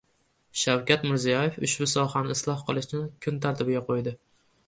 Shavkat Mirziyoyev ushbu sohani isloh qilishni kun tartibiga qo‘ydi